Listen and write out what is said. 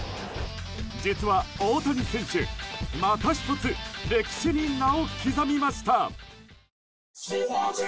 実は大谷選手、また１つ歴史に名を刻みました。